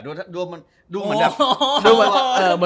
ดูเหมือนกับ